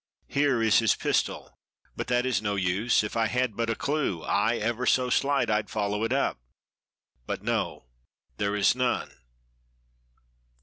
Here is his pistol, but that is no use. If I had but a clew, ay, ever so slight, I'd follow it up; but no, there is none.